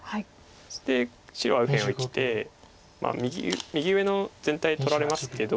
そして白は右辺を生きて右上の全体取られますけど。